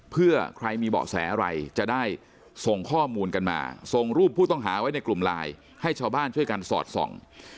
เพื่อใครมีเบาะแสอะไรจะได้ส่งข้อมูลกันมาส่งรูปผู้ต้องหาไว้ในกลุ่มไลน์ให้ชาวบ้านช่วยกันสอดส่อง